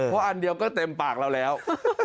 เพราะอันเดียวก็เต็มปากเราแล้ว